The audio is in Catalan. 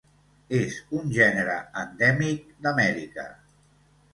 És un gènere endèmic d'Amèrica.